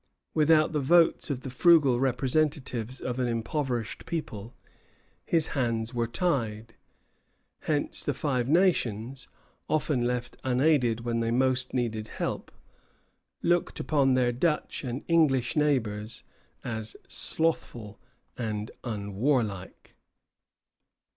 Without the votes of the frugal representatives of an impoverished people, his hands were tied. Hence the Five Nations, often left unaided when they most needed help, looked upon their Dutch and English neighbors as slothful and unwarlike.